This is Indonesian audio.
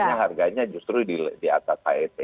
karena harganya justru di atas het